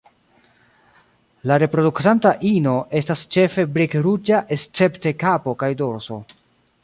La reproduktanta ino estas ĉefe brik-ruĝa escepte kapo kaj dorso.